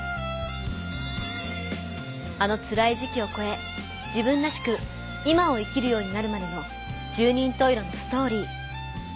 あのつらい時期をこえ自分らしく今を生きるようになるまでの十人十色のストーリー。